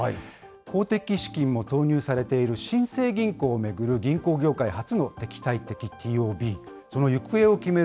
公的資金も投入されている新生銀行を巡る銀行業界初の敵対的ＴＯＢ、その行方を決める